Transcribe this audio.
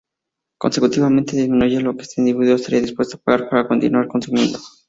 Consecuentemente, disminuye lo que ese individuo estaría dispuesto a pagar para continuar consumiendo.